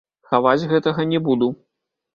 Хаваць гэтага не буду.